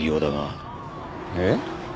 えっ？